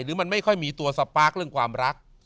หรือมันไม่ค่อยมีตัวสปาร์คเรื่องความรัก